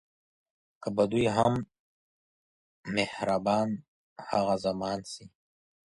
که به دوی هم مهربان هغه زمان سي